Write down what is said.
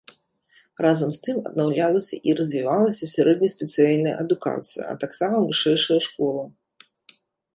Разам з тым аднаўлялася і развівалася сярэднеспецыяльная адукацыя, а таксама вышэйшая школа.